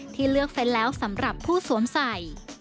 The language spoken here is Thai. ที่เลือกไฟน์แล้วสำหรับผู้สวมใส